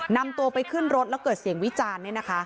นำตัวไปขึ้นรถแล้วเกิดเสียงวิจารณ์